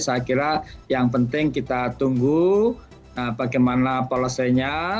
saya kira yang penting kita tunggu bagaimana polosinya